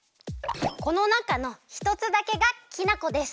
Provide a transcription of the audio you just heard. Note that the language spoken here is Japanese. このなかのひとつだけがきな粉です。